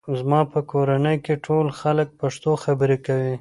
زما په کورنۍ کې ټول خلک پښتو خبرې کوي.